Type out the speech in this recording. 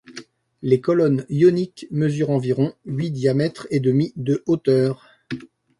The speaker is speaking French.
Les colonnes ioniques mesurent environ huit diamètres et demi de hauteur.